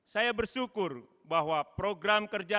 saya bersyukur bahwa program kerja